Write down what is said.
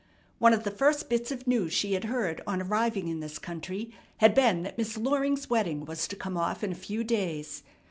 One of the first bits of news she had heard on arriving in this country had been that Miss Loring's wedding was to come off in a few days.